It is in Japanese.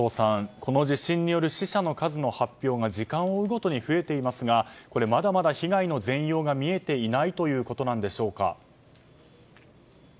この地震による死者の数の発表が時間を追うごとに増えていますがまだまだ被害の全容が見えていないということでしょうか。